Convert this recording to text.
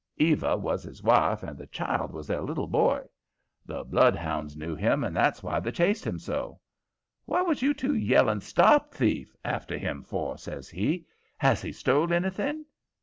Eva was his wife, and the child was their little boy. The bloodhounds knew him, and that's why they chased him so. "What was you two yelling 'Stop thief!' after him for?" says he. "Has he stole anything?"